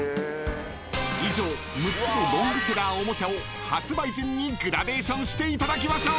［以上６つのロングセラーおもちゃを発売順にグラデーションしていただきましょう］